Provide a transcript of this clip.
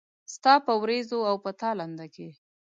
ستا په ورېځو او په تالنده کې